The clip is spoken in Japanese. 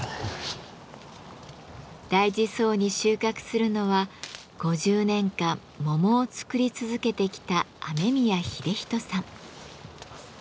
大事そうに収穫するのは５０年間桃を作り続けてきた雨宮英人さん。